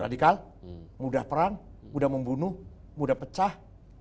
radikal mudah perang mudah membunuh mudah pecah